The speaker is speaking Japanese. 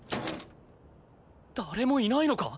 誰もいないのか？